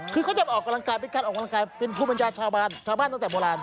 คือเขาจะออกกำลังกายเป็นกำลังกายเป็นพุมัญญาชาวบ้านตั้งแต่โบราณ